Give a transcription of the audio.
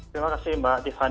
terima kasih mbak tiffany